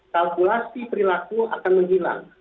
kalkulasi perilaku akan menghilang